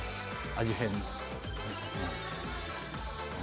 味変？